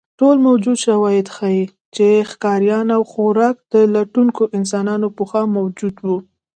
ټول موجود شواهد ښیي، چې ښکاریان او خوراک لټونکي انسانان پخوا موجود وو.